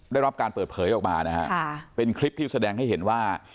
ได้รับการเปิดเผยออกมานะฮะเป็นคลิปที่แสดงให้เห็นว่า